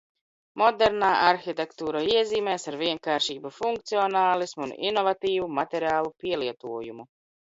Modernā arhitektūra iezīmējas ar vienkāršību, funkcionālismu un inovatīvu materiālu pielietojumu.